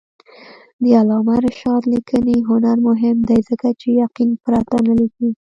د علامه رشاد لیکنی هنر مهم دی ځکه چې یقین پرته نه لیکي.